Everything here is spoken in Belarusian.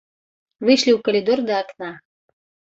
Выйшлі ў калідор, да акна.